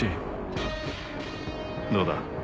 どうだ？